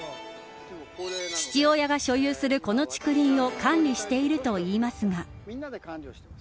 父親が所有するこの竹林を管理しているといいますが。